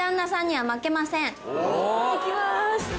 行きます。